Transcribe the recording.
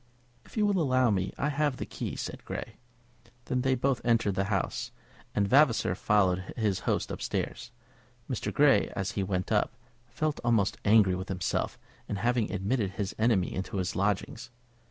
"If you will allow me, I have the key," said Grey. Then they both entered the house, and Vavasor followed his host up stairs. Mr. Grey, as he went up, felt almost angry with himself in having admitted his enemy into his lodgings.